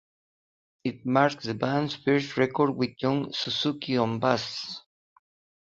It marks the band's first record with Jun Suzuki on bass.